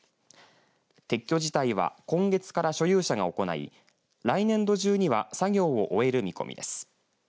撤去自体は今月から所有者が行い来年度中には作業を終える見込みです。